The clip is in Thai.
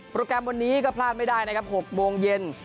แกรมวันนี้ก็พลาดไม่ได้นะครับ๖โมงเย็น